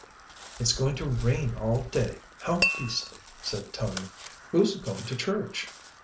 "It's going to rain all day. How beastly!" said Tony. "Who's going to church?"